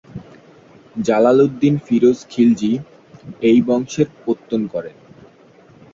Jalaluddin Firoz Khilji এই রাজবংশের পত্তন করেন।